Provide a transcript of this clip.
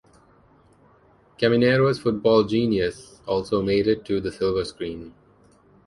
Caminero's football genius also made it to the silver screen.